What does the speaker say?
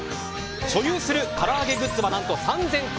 所有するから揚げグッズはおよそ３０００個。